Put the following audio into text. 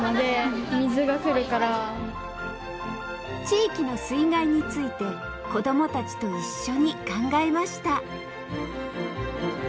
地域の水害について子供たちと一緒に考えました